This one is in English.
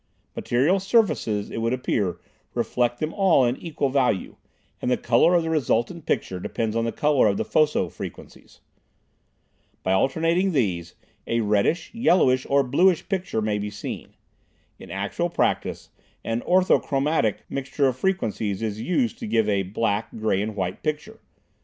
Material surfaces, it would appear, reflect them all in equal value, and the color of the resultant picture depends on the color of the foco frequencies. By altering these, a reddish, yellowish or bluish picture may be seen. In actual practice an orthochromatic mixture of frequencies is used to give a black, gray and white picture.